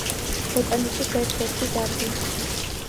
ბოტანიკის ერთ-ერთი დარგი.